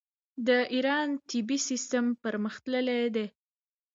د ایران طبي سیستم پرمختللی دی.